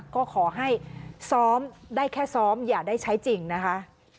ก็ขอให้ซ้อมได้แค่ซ้อมอย่าได้ใช้จริงนะคะ